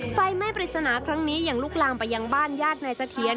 ไฟไม่ปริศนาครั้งนี้อย่างลูกลางไปยังบ้านยากในสะเทียน